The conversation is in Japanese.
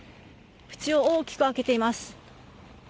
口を大きく開けています。